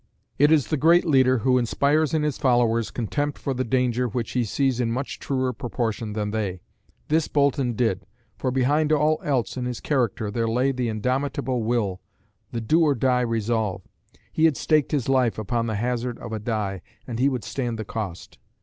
It is the great leader who inspires in his followers contempt for the danger which he sees in much truer proportion than they. This Boulton did, for behind all else in his character there lay the indomitable will, the do or die resolve. He had staked his life upon the hazard of a die and he would stand the cost.